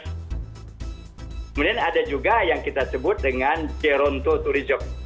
kemudian ada juga yang kita sebut dengan geronto tourism